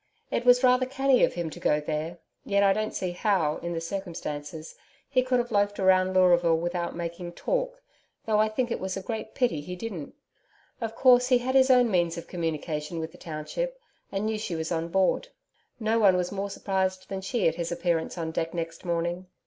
It was rather canny of him to go there yet I don't see how, in the circumstances, he could have loafed round Leuraville without making talk though I think it was a great pity he didn't. Of course he had his own means of communication with the township, and knew she was on board. No one was more surprised than she at his appearance on deck next morning.